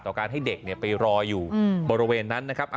การให้เด็กไปรออยู่บริเวณนั้นนะครับ